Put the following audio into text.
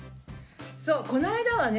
そうこの間はね